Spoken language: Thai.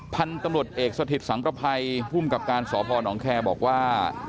พันธุ์ตำรวจเอกสถิตสังประภัยภูมิกับการสพนแคร์บอกว่า